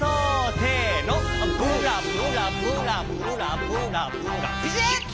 せのブラブラブラブラブラブラピシッ！